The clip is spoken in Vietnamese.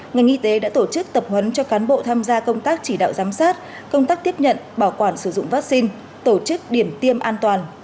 ngành y tế đã tổ chức tập huấn cho cán bộ tham gia công tác chỉ đạo giám sát công tác tiếp nhận bảo quản sử dụng vaccine tổ chức điểm tiêm an toàn